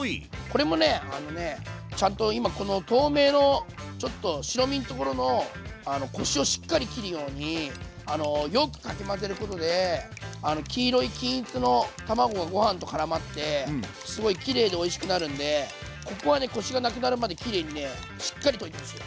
これもあのねちゃんと今この透明のちょっと白身のところのこしをしっかり切るようによくかき混ぜることで黄色い均一の卵がご飯とからまってすごいきれいでおいしくなるんでここはねこしがなくなるまできれいにしっかり溶いてほしい。